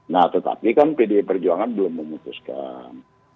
nah tetapi kan pdi perjuangan belum memutuskan